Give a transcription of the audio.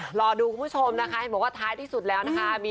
รอดูคุณผู้ชมนะคะเห็นบอกว่าท้ายที่สุดแล้วนะคะ